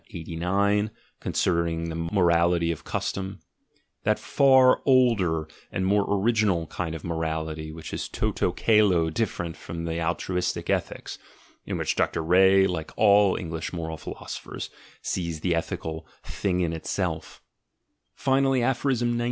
89, concerning the Morality of Custom, that far older and more original kind of morality which is toto ado different from the altruistic ethics (in which Dr. Ree, like all the English moral philosophers, sees the ethical l Thing in itself"); finally, Aph. 92.